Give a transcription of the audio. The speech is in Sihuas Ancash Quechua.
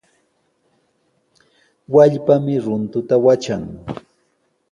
Wallpami runtuta watran.